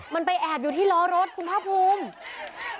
มันไปแอบอยู่ที่ล้อรถคุณภาคภูมิ